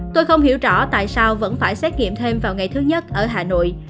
tôi không hiểu rõ tại sao vẫn phải xét nghiệm thêm vào ngày thứ nhất ở hà nội